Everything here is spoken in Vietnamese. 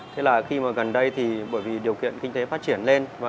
thế là khi mà gần đây thì bởi vì điều kiện kinh tế phát triển lên